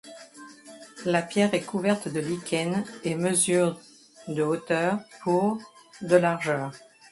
La pierre est couverte de lichen et mesure de hauteur pour de largeur.